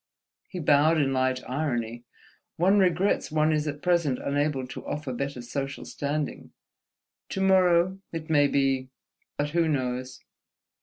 He bowed in light irony. "One regrets one is at present unable to offer better social standing. To morrow, it may be ... But who knows?"